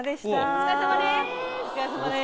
お疲れさまです。